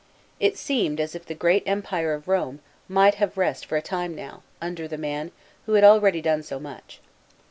It seemed, as if the great empire of Rome, might have rest for a time now, under the man, who had already done so much.